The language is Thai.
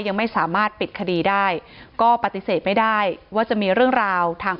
ยังไม่สามารถปิดคดีได้ก็ปฏิเสธไม่ได้ว่าจะมีเรื่องราวทาง